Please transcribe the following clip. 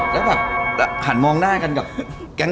แล้วแบบหันมองหน้ากันกับแก๊ง